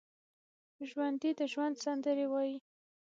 ژوندي د ژوند سندرې وايي